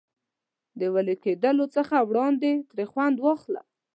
د وېلې کېدلو څخه وړاندې ترې خوند واخله.